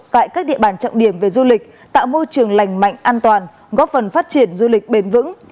tại các địa bàn trọng điểm về du lịch tạo môi trường lành mạnh an toàn góp phần phát triển du lịch bền vững